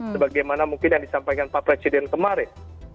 sebagaimana mungkin yang disampaikan pak presiden kemarin